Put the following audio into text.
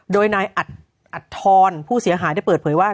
โดยนายอัดทรผู้เสียหายได้เปิดเผยว่า